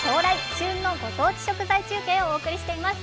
旬のご当地食材中継」をお送りしています。